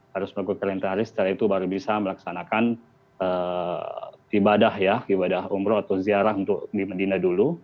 harus melakukan karantina lima hari setelah itu baru bisa melaksanakan ibadah umroh atau ziarah di medina dulu